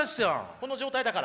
この状態だから？